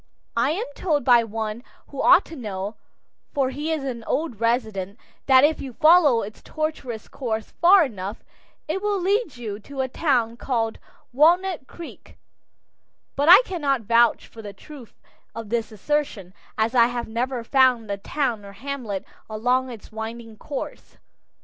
I am told by one who ought to know for he is an old resident that if you follow its tortuous course far enough, it will lead you to a town called Walnut Creek, but I cannot vouch for the truth of this assertion, as I have never found a town or hamlet along its winding course.